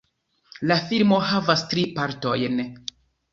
La filmo havas tri partojn.